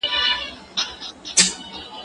زه به سبا سبزېجات تياروم وم!